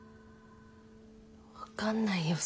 分かんないよ